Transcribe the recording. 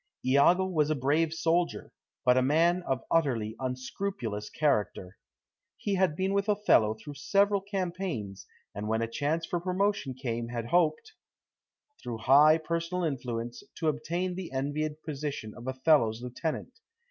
Iago was a brave soldier, but a man of utterly unscrupulous character. He had been with Othello through several campaigns, and when a chance for promotion came had hoped, through high personal influence, to obtain the envied position of Othello's lieutenant.